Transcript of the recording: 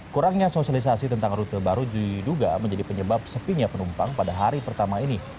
kurangnya sosialisasi tentang rute baru diduga menjadi penyebab sepinya penumpang pada hari pertama ini